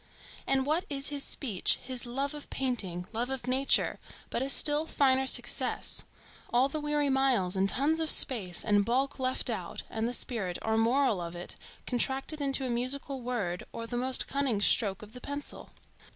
and what is his speech, his love of painting, love of nature, but a still finer success,—all the weary miles and tons of space and bulk left out, and the spirit or moral of it contracted into a musical word, or the most cunning stroke of the pencil?